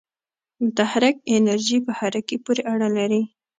متحرک انرژی په حرکت پورې اړه لري.